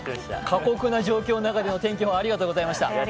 過酷な状況の中での天気予報ありがとうございました。